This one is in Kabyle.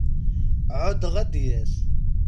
Ɛuddeɣ ad d-yas.